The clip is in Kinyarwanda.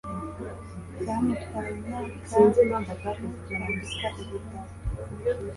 Byamutwaye imyaka itatu kwandika igitabo.